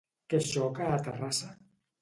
Què xoca a Terrassa?